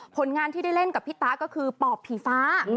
ผลงานที่ได้เล่นกับพี่ตาก็คือปอบผีฟ้า